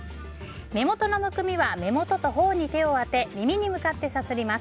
目元のむくみは目元と頬に手を当て耳に向かってさすります。